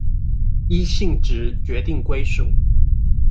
依性質決定歸屬